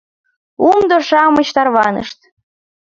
Умдо-шамыч тарванышт.